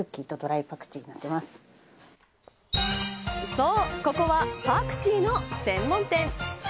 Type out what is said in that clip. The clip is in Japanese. そう、ここはパクチーの専門店。